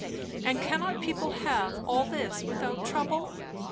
And cannot people have all this without trouble?